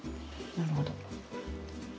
なるほど。